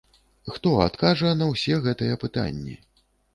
Хто адкажа на ўсе гэтыя пытанні?